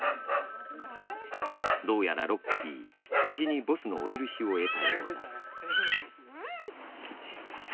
どうやらロッキー無事にボスのお許しを得たようだ。